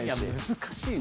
難しいな。